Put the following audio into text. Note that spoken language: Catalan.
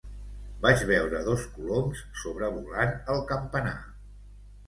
Vaig veure dos coloms sobrevolant el campanar.